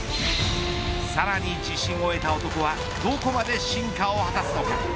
さらに自信を得た男はどこまで進化を果たすのか。